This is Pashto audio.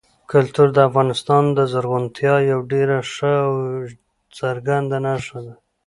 کلتور د افغانستان د زرغونتیا یوه ډېره ښه او څرګنده نښه ده.